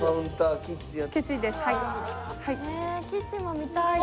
キッチンも見たいな。